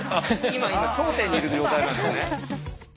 今頂点にいる状態なんですね。